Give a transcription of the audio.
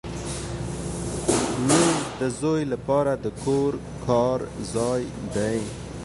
مېز د زوی لپاره د کور کار ځای دی.